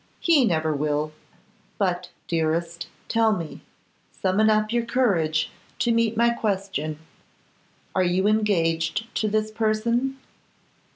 'He never will. But, dearest, tell me; summon up your courage to meet my question. Are you engaged to this person?